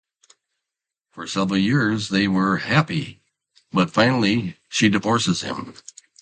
For several years they are happy, but finally she divorces him.